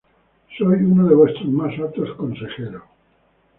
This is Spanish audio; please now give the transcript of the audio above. Soy uno de vuestros más altos consejeros.